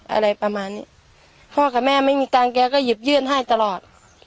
อะไรประมาณนี้พ่อกับแม่ไม่มีตังค์แกก็หยิบยื่นให้ตลอด